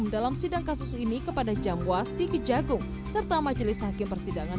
dalam sidang kasus ini kepada jamwas di kejagung serta majelis hakim persidangan